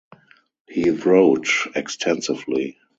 He wrote extensively.